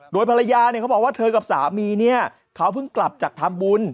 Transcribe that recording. โดยภรรยาเนี่ยเขาบอกว่าเธอกับสามีเนี่ยเขาเพิ่งกลับจากทำบุญ